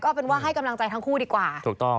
ก็เป็นว่าให้กำลังใจทั้งคู่ดีกว่า